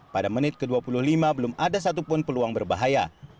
pada menit ke dua puluh lima belum ada satupun peluang berbahaya